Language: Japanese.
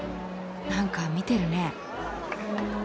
なんか見てるね。